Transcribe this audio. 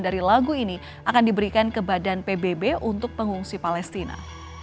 dari lagu ini akan diberikan ke badan pbb untuk pengungsi palestina